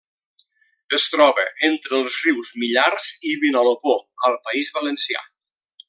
Es troba entre els rius Millars i Vinalopó al País Valencià.